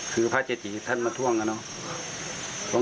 คือพระเจจริย์ท่านมาท่วงกันเนอะ